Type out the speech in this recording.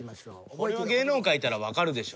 これは芸能界いたらわかるでしょ。